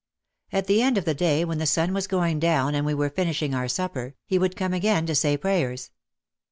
At the end of the day when the sun was going down and we were finishing our supper, he would come again to say prayers.